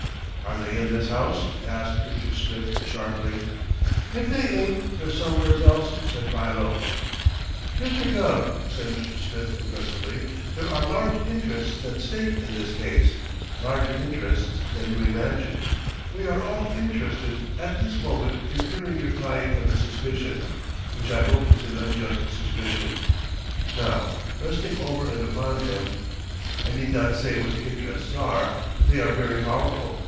"Are they in this house?" asked Mr. Smith sharply. "If they ain't, they're somewheres else," said Philo. "Mr. Gubb," said Mr. Smith impressively "there are large interests at stake in this case. Larger interests than you imagine. We are all interested at this moment in clearing your client of the suspicion which I hope is an unjust suspicion now resting over and upon him. I need not say what the interests are, but they are very powerful.